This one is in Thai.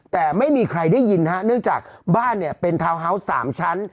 แต่ไม่มีใครได้ยินฮะเนื่องจากบ้านเนี่ยเป็นทาวน์ฮาวส์๓ชั้น